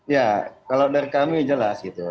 ya kalau dari kami jelas gitu